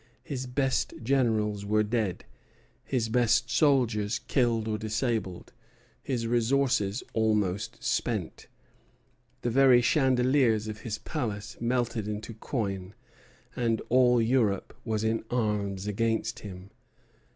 His best generals were dead, his best soldiers killed or disabled, his resources almost spent, the very chandeliers of his palace melted into coin; and all Europe was in arms against him.